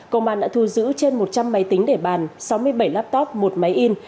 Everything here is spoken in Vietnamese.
công an đã thu giữ trên một trăm linh máy tính để bàn sáu mươi bảy laptop một máy in